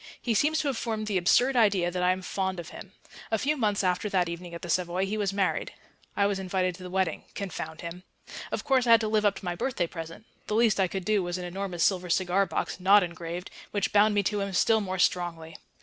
He seems to have formed the absurd idea that I am fond of him. A few months after that evening at the Savoy he was married. I was invited to the wedding confound him. Of course I had to live up to my birthday present; the least I could do was an enormous silver cigar box (not engraved), which bound me to him still more strongly.